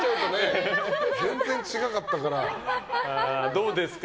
どうですか？